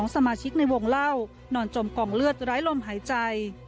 สมาชิกในวงเล่านอนจมกองเลือดไร้ลมหายใจ